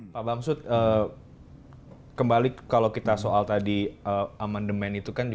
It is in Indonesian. pak bamsud kembali kalau kita soal tadi amandemen itu kan